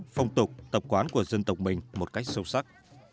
phong tục tập quán của dân tộc mình một cách sâu sắc